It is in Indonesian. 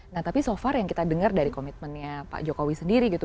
nah tapi so far yang kita dengar dari komitmennya pak jokowi sendiri gitu